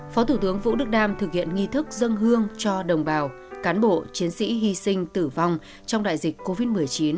phó thủ tướng vũ đức đam thực hiện nghi thức dân hương cho đồng bào cán bộ chiến sĩ hy sinh tử vong trong đại dịch covid một mươi chín